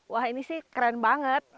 wah ini sih keren banget